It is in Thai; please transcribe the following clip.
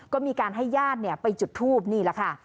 ก็มีการให้ญาติไปจุดทูปนี่แหละค่ะ